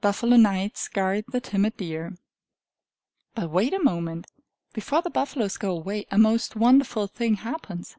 Buffalo Knights Guard the Timid Deer But wait a moment! Before the buffaloes go away, a most wonderful thing happens.